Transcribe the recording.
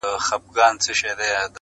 اوس په لمانځه کي دعا نه کوم ښېرا کومه.